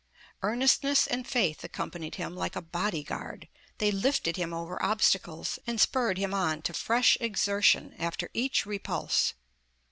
Earnestness and faith accompanied him like a body guard. They lifted him over obstacles, and spurred him on to fresh exertion after each repulse.